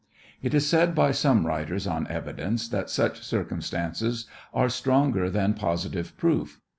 »»* It is said by some writers on evidence that such circumstances are stronger than positive proof.